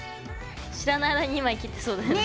知らない間に２枚切ってそうだよね。